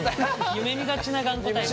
夢みがちな頑固タイプ。